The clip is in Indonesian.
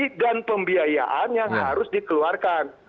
dan rekomendasi dan pembiayaan yang harus dikeluarkan